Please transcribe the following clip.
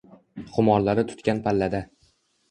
Xumorlari tutgan pallada